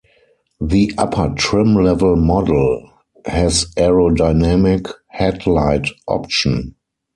The upper trim level model has aerodynamic headlight option.